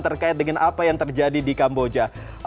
terkait dengan apa yang terjadi di kamboja